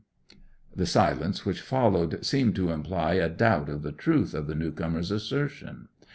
The silence which followed seemed to imply a doubt of the truth of the new comer's assertion.